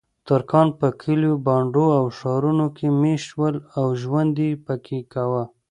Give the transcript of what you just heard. ترکان په کلیو، بانډو او ښارونو کې میشت شول او ژوند یې پکې کاوه.